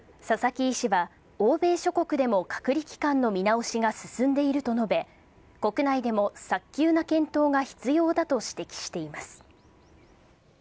佐々木医師は、欧米諸国でも隔離期間の見直しが進んでいると述べ、国内でも早急な検討が必要だと指摘しています。